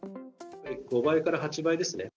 ５倍から８倍ですね。